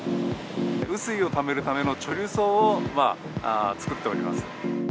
雨水をためるための貯留槽を作っております。